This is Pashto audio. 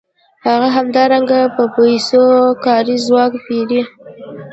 هغه همدارنګه په پیسو کاري ځواک پېري